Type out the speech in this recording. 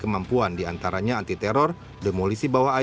untuk mampu melaksanakan tugas atau topoksi mereka